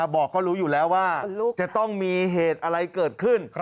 บอกเขารู้อยู่แล้วว่าจะต้องมีเหตุอะไรเกิดขึ้น